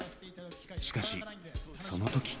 しかしその時。